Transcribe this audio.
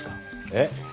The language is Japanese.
えっ？